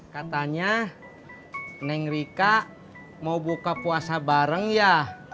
katanya neng rika mau buka puasa bareng ya